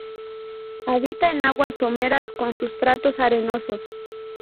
Habita en aguas someras con sustratos arenosos.